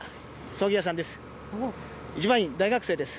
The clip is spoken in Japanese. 葬儀屋さんです。